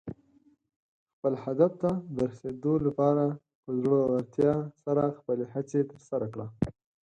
خپل هدف ته د رسېدو لپاره په زړۀ ورتیا سره خپلې هڅې ترسره کړه.